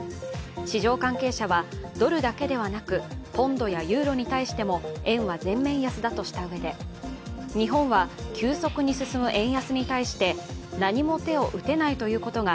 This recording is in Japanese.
市場関係者はドルだけではなくポンドやユーロに対しても円は全面安だとしたうえで日本は急速に進む円安に対して何も手を打てないということが